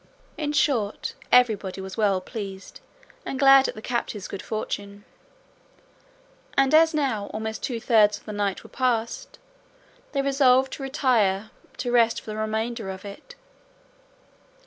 In short, everybody was well pleased and glad at the captive's good fortune; and as now almost two thirds of the night were past, they resolved to retire to rest for the remainder of it.